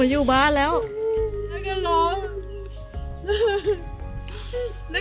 วันที่สุดท้ายเกิดขึ้นเกิดขึ้น